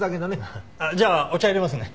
じゃあお茶いれますね。